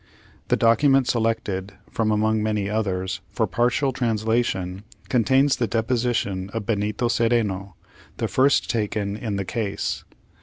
The document selected, from among many others, for partial translation, contains the deposition of Benito Cereno; the first taken in the case.